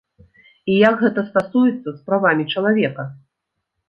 І як гэта стасуецца з правамі чалавека?